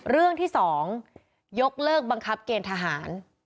เรื่องที่๒ยกเลิกบังคับเกณฑหาร